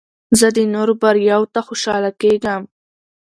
زه د نورو بریاوو ته خوشحاله کېږم.